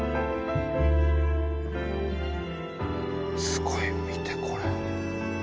すごい見てこれ。